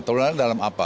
ketoladanan dalam apa